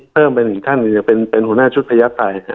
เพิ่มไปหนึ่งท่านเป็นหัวหน้าชุดพยักษ์ไทย